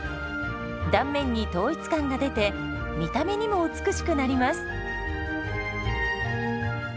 断面に統一感が出て見た目にも美しくなります。